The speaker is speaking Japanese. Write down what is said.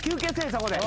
そこで。